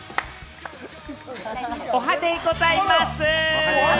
おはデイございます！